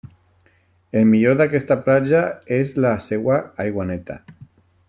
El millor d'aquesta platja és la seva aigua neta.